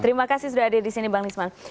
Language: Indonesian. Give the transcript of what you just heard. terima kasih sudah hadir disini bang lisman